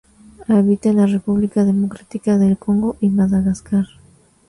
Habita en la República Democrática del Congo y Madagascar.